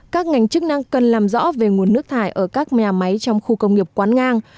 các ngành chức năng cần làm rõ về nguồn nước thải ở các nhà máy trong khu công nghiệp quán ngang